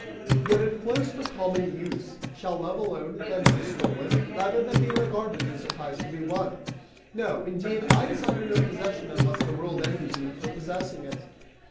"Yet it flows for common use. Shall love alone, then, be stolen, rather than be regarded as a prize to be won? No, indeed I desire no possession unless the world envies me for possessing it.